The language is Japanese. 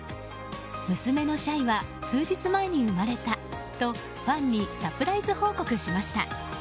娘のシャイは数日前に生まれたとファンにサプライズ報告しました。